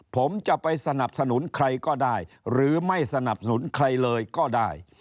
ผมจะไปสนับสนุนใครก็ได้หรือไม่สนับสนุนใครเลยก็ได้